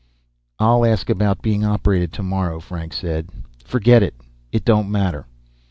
"I'll ask about being operated tomorrow," Frank said. "Forget it. It don't matter."